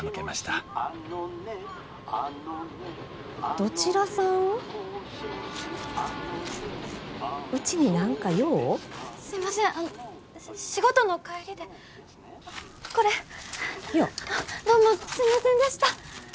どうもすみませんでした！